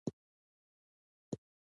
ډېر زیات خلجیان هند ته کوچېدلي دي.